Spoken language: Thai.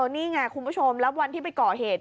นี่ไงคุณผู้ชมแล้ววันที่ไปก่อเหตุ